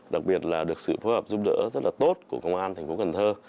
đặc biệt là được sự phối hợp giúp đỡ rất là tốt của công an thành phố cần thơ